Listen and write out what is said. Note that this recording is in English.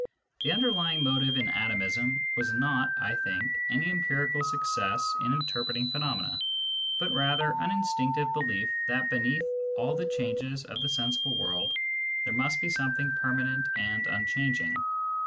The underlying motive in atomism was not, I think, any empirical success in inter preting phenomena, but rather an instinctiye belief th at beneath all the changes of the sensible world there^must he something permanent and unchanging.